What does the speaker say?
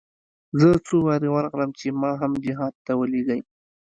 زه څو وارې ورغلم چې ما هم جهاد ته ولېږي.